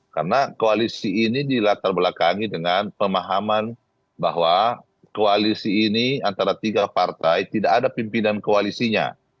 karena koalisi ini dilatar belakangi dengan pemahaman bahwa koalisi ini antara tiga partai tidak ada pimpinan koalisinya